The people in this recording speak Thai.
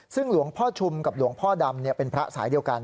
ซึ่งหลวงพ่อชุมกับหลวงพ่อดำเป็นพระสายเดียวกัน